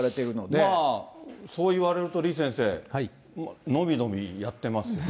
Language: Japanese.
まあ、そういわれると、李先生、伸び伸びやってますね。